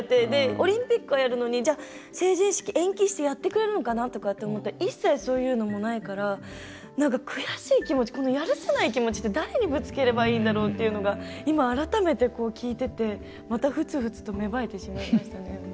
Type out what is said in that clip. オリンピックはやるのに成人式延期してやってくれるのかなと思ったら一切そういうのもないから悔しい気持ちやるせない気持ちって誰にぶつければいいんだろうって今、改めて聞いててまた、ふつふつと芽生えてしまいましたね。